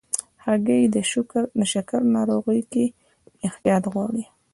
هګۍ د شکر ناروغۍ کې احتیاط غواړي.